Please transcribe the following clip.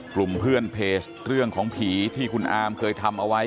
กลุ่มเพื่อนเพจเรื่องของผีที่คุณอามเคยทำเอาไว้